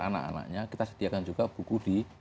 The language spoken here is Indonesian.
anak anaknya kita sediakan juga buku di